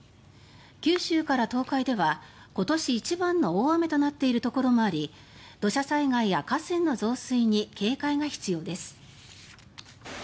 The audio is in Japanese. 九州から東海では今年一番の大雨となっているところもあり土砂災害や河川の増水に警戒が必要です。